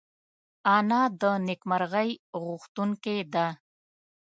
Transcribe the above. انا د نېکمرغۍ غوښتونکې ده